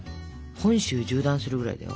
本州縦断するぐらいだよ。